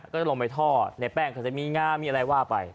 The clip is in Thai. ก็จะลงไปทอดในแป้งก็จะมีงามีอะไรว่าไป